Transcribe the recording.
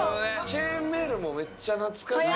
チェーンメールもめっちゃ懐かしい。